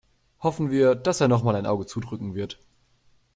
Hoffen wir, dass er noch mal ein Auge zudrücken wird.